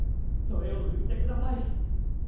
それを売ってください！